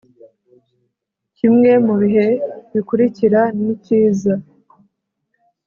kimwe mu bihe bikurikira nikiza